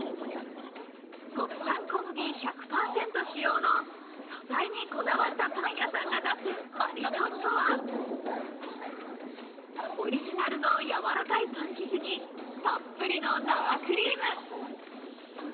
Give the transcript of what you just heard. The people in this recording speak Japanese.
国産小麦１００％使用の素材にこだわったパン屋さんが出すマリトッツォは、オリジナルのやわらかいパン生地にたっぷりの生クリーム。